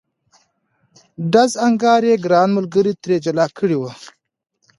ډز انګاز یې ګران ملګري ترې جلا کړی و.